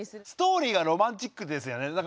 ストーリーがロマンチックですよね。